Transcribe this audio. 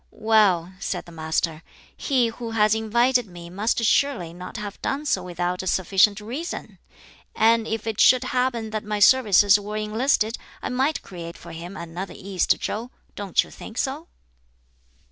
"Well," said the Master, "he who has invited me must surely not have done so without a sufficient reason! And if it should happen that my services were enlisted, I might create for him another East Chow don't you think so?"